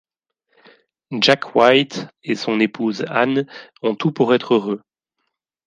Jack White et son épouse Anne ont tout pour être heureux.